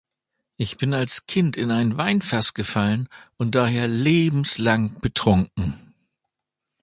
Ich bin als Kind in ein Weinfass gefallen und daher lebenslang betrunken.